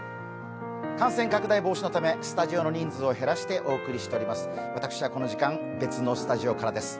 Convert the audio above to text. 感染拡大防止のため、スタジオの人数を減らしてお送りしています。